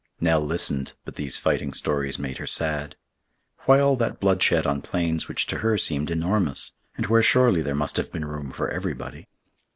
Nell listened, but these fighting stories made her sad. Why all that bloodshed on plains which to her seemed enormous, and where surely there must have been room for everybody?